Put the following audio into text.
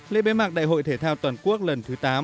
lễ bế mạc đại hội thể thao toàn quốc lần thứ tám